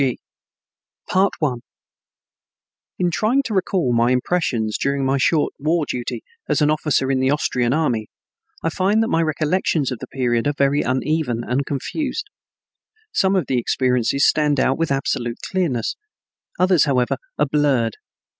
F. G. Four Weeks In The Trenches I In trying to recall my impressions during my short war duty as an officer in the Austrian Army, I find that my recollections of this period are very uneven and confused. Some of the experiences stand out with absolute clearness; others, however, are blurred.